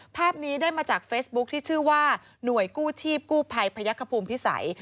ภาพนี้ได้มาจากเฟซบุ๊คที่ชื่อว่าหน่วยกู้ชีพกู้ภัยพยักษภูมิพิสัย